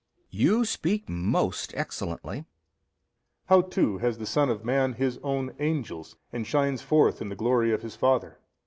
B. You speak most excellently. |281 A. How too has the Son of man His own angels 37, and shines forth in the glory of His Father?